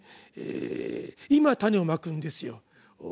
今種を蒔くんですよ。